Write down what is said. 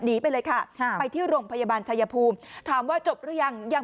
หนีไปเลยค่ะไปที่โรงพยาบาลชายภูมิถามว่าจบหรือยังยัง